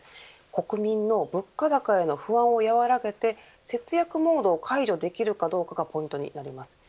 国民の物価高への不安を和らげて節約モードを解除できるかどうかがポイントです。